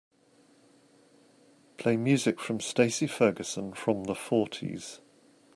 Play music from Stacy Ferguson from the fourties